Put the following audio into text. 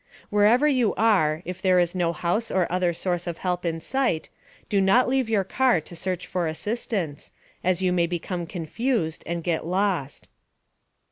Wherever you are, if there is no house or other source of help in sight, do not leave your car to search for assistance, as you may become confused and get lost.